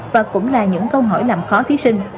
và cũng là những câu hỏi làm khó thí sinh